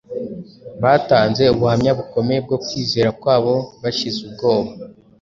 batanze ubuhamya bukomeye bwo kwizera kwabo bashize ubwoba